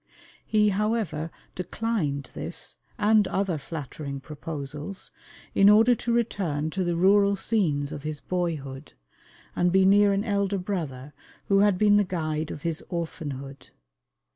He, however, declined this and other flattering proposals, in order to return to the rural scenes of his boyhood, and be near an elder brother who had been the guide of his orphanhood.